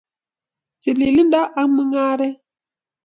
Tililindo ak mung'aret